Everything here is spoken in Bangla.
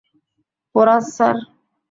Porous, sir.